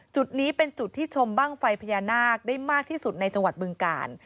จุดนี้เป็นจุดที่ชมบ้างไฟพญานาคได้มากที่สุดในจังหวัดบึงกาล